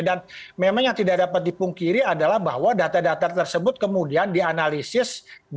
dan memang yang tidak dapat dipungkiri adalah bahwa data data tersebut kemudian dianalisis